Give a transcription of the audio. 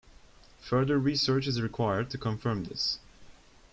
Further research is required to confirm this.